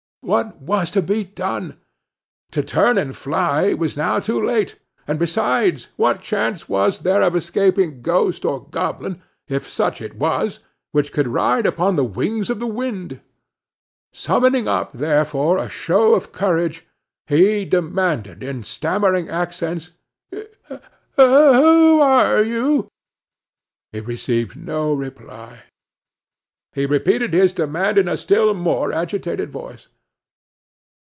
What was to be done? To turn and fly was now too late; and besides, what chance was there of escaping ghost or goblin, if such it was, which could ride upon the wings of the wind? Summoning up, therefore, a show of courage, he demanded in stammering accents, "Who are you?" He received no reply. He repeated his demand in a still more agitated voice.